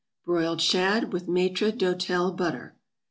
=Broiled Shad with Maître d'hotel butter.